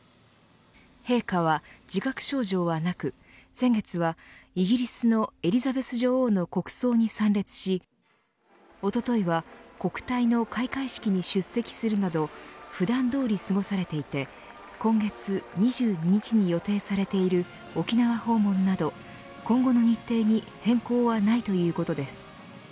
陛下は自覚症状はなく先月は、イギリスのエリザベス女王の国葬に参列しおとといは国体の開会式に出席するなど普段どおり過ごされていて今月２２日に予定されている沖縄訪問など、今後の日程に変更はないということです。